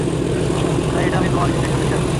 তাই এটা আমি তোমার স্ত্রীর সাথে শেয়ার করছি।